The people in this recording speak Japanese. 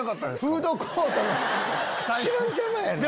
フードコートの一番邪魔やねん。